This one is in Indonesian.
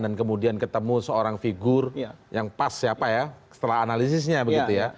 dan kemudian ketemu seorang figur yang pas ya pak ya setelah analisisnya begitu